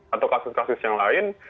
atau kasus kasus yang lain